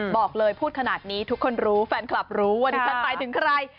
บอกเลยพูดขนาดนี้ทุกคนรู้แฟนคลับรู้ว่าที่จะไปถึงใคร